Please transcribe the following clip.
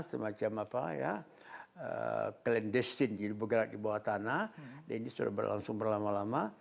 semacam apa ya clandestine bergerak di bawah tanah dan ini sudah berlangsung berlama lama